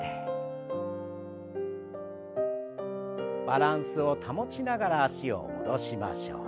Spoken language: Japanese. バランスを保ちながら脚を戻しましょう。